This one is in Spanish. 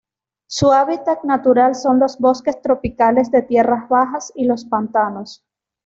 Su hábitat natural son los bosques tropicales de tierras bajas y los pantanos.